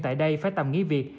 tại đây phải tạm nghỉ việc